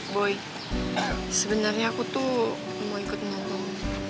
boy sebenarnya aku tuh mau ikut nongklung